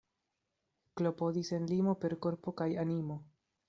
Klopodi sen limo per korpo kaj animo.